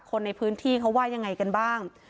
คนในพื้นที่เขาว่ายังไงกันบ้าง